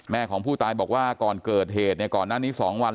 ของผู้ตายบอกว่าก่อนเกิดเหตุเนี่ยก่อนหน้านี้๒วัน